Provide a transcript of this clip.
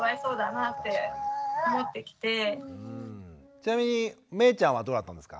ちなみにめいちゃんはどうだったんですか？